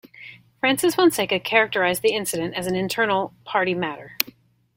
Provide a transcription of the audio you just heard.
Francis Fonseca characterized the incident as an internal party matter.